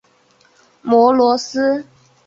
摩罗斯。